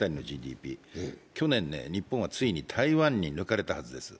去年、日本はついに台湾に抜かれたはずです。